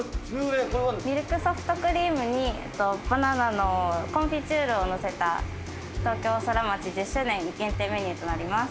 ミルクソフトクリームにバナナのコンフィチュールをのせた東京ソラマチ１０周年限定メニューとなります。